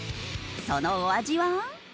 そのお味は？